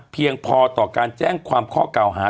เพียงพอต่อการแจ้งความข้อเก่าหา